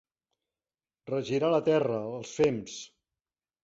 Regirar la terra, els fems.